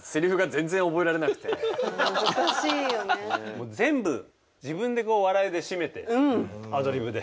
もう全部自分で笑いで締めてアドリブで。